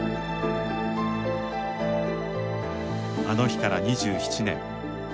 あの日から２７年。